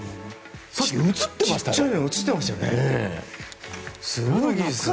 小さいの映っていましたよね。